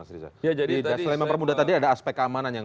selain mempermudah tadi ada aspek keamanan yang